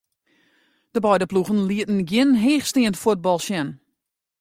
De beide ploegen lieten gjin heechsteand fuotbal sjen.